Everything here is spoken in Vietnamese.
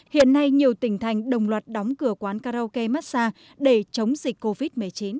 hiện nay nhiều tỉnh thành đồng loạt đóng cửa quán karaoke massage để chống dịch covid một mươi chín